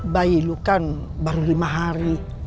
bayi lu kan baru lima hari